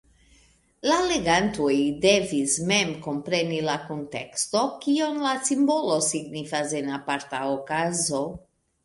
La legantoj devis mem kompreni de kunteksto, kion la simbolo signifas en aparta okazo.